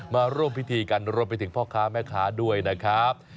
มาร่วมพิธีกันรวมไปถึงพ่อค้าแม่ค้าด้วยนะครับ